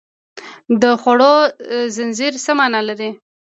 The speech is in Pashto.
د خوړو زنځیر څه مانا لري